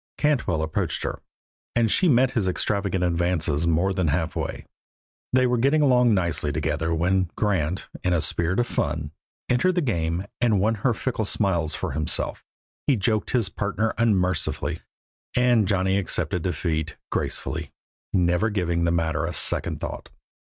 Cantwell approached her, and she met his extravagant advances more than halfway. They were getting along nicely together when Grant, in a spirit of fun, entered the game and won her fickle smiles for himself. He joked his partner unmercifully, and Johnny accepted defeat gracefully, never giving the matter a second thought.